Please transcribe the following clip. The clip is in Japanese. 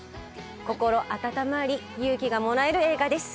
心温まり勇気がもらえる映画です